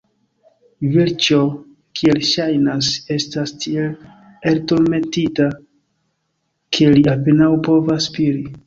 Vilĉjo, kiel ŝajnas, estas tiel elturmentita, ke li apenaŭ povas spiri.